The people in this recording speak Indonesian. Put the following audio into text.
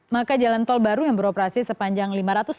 maka jalan tol baru yang beroperasi sepanjang